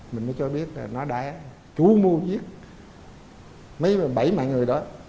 mình mới cho biết là nó đã chú mưu giết mấy bảy mạng người đó